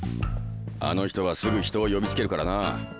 あの人はすぐ人を呼びつけるからな。